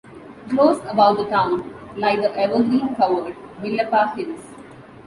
Close about the town lie the evergreen-covered Willapa Hills.